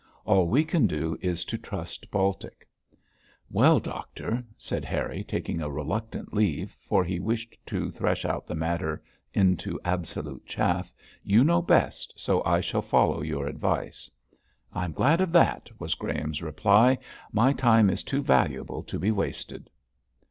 All we can do is to trust Baltic.' 'Well, doctor,' said Harry, taking a reluctant leave, for he wished to thresh out the matter into absolute chaff, 'you know best, so I shall follow your advice.' 'I am glad of that,' was Graham's reply. 'My time is too valuable to be wasted.'